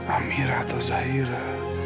amira atau zahira